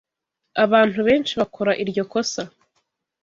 Abantu benshi bakora iryo kosa.